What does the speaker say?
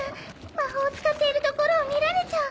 ま・ほーを使っているところを見られちゃう。